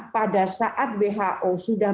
pada saat who sudah